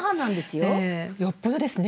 よっぽどですね。